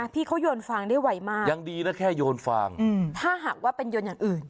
พี่เขาโยนฟางได้ไวมากยังดีนะแค่โยนฟางถ้าหากว่าเป็นโยนอย่างอื่น